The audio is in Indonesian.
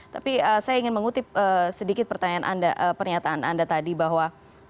tapi saya ingin mengutip sedikit pertanyaan anda pernyataan anda tadi bahwa